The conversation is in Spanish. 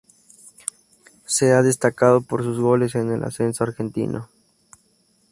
Se ha destacado por sus goles en el ascenso argentino.